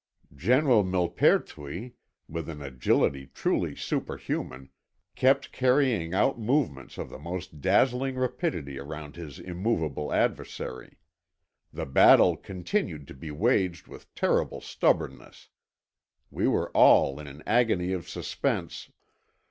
General Milpertuis, with an agility truly superhuman, kept carrying out movements of the most dazzling rapidity around his immovable adversary. The battle continued to be waged with terrible stubbornness. We were all in an agony of suspense...."